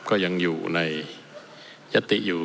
ก็ยังอยู่ในยติอยู่